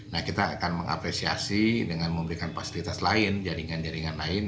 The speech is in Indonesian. nah kita akan mengapresiasi dengan memberikan fasilitas lain jaringan jaringan lain